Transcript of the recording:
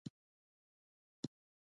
مورغۍ څنګه خپل بچي ساتي؟